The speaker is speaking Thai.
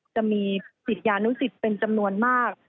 จะมีศิษยานุสิตเป็นจำนวนมาก